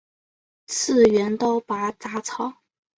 次元刀拔杂草